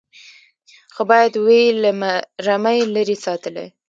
خو باید وي له رمې لیري ساتلی